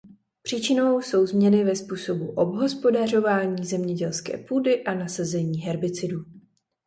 Příčinou jsou změny ve způsobu obhospodařování zemědělské půdy a nasazení herbicidů.